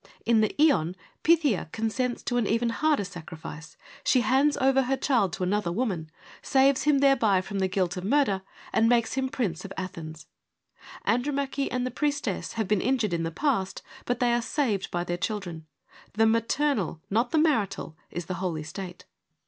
In the Ion Pythia consents to an even harder sacrifice : she hands over her child to another woman, saves him thereby from the guilt of murder and makes him prince of Athens. Andromache and the Priestess have been injured in the past, but they are saved by their children : the maternal, not the marital, is the holy state.